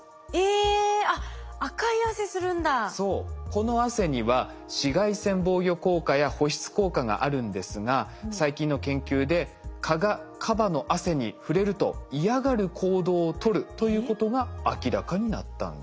この汗には紫外線防御効果や保湿効果があるんですが最近の研究で蚊がカバの汗に触れると嫌がる行動をとるということが明らかになったんです。